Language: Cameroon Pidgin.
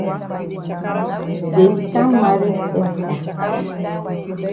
Dey di kam maret Esther.